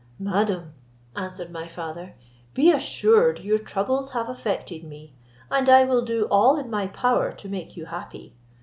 "Madam," answered my father, "be assured your troubles have affected me, and I will do all in my power to make you happy.